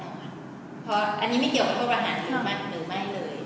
อันนี้ไม่เกี่ยวกับโทษประหารขึ้นมาหรือไม่เลย